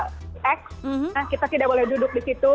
nah kita tidak boleh duduk di situ